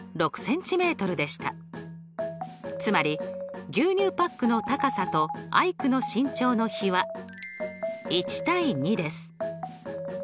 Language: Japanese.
つまり牛乳パックの高さとアイクの身長の比は１：２です。